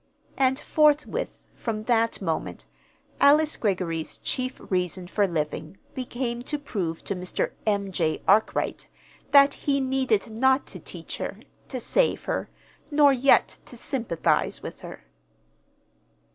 And forthwith, from that moment, Alice Greggory's chief reason for living became to prove to Mr. M. J. Arkwright that he needed not to teach her, to save her, nor yet to sympathize with her.